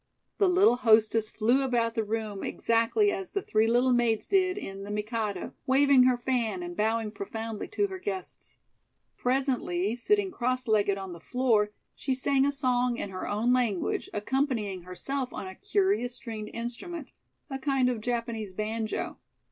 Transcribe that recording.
The little hostess flew about the room exactly as the Three Little Maids did in "The Mikado," waving her fan and bowing profoundly to her guests. Presently, sitting cross legged on the floor, she sang a song in her own language, accompanying herself on a curious stringed instrument, a kind of Japanese banjo.